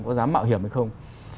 có dám mạo hiểm hay không